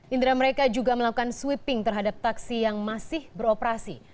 indra mereka juga melakukan sweeping terhadap taksi yang masih beroperasi